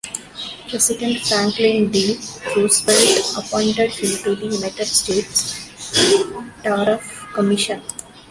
President Franklin D. Roosevelt appointed him to the United States Tariff Commission.